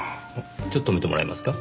ちょっと止めてもらえますか？